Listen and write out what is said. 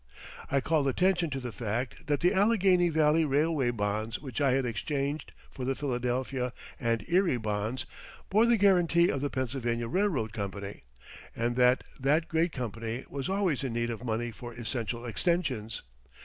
I called attention to the fact that the Allegheny Valley Railway bonds which I had exchanged for the Philadelphia and Erie bonds bore the guarantee of the Pennsylvania Railroad Company, and that that great company was always in need of money for essential extensions.